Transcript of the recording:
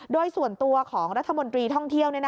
โดยส่วนตัวของรัฐมนตรีท่องเที่ยว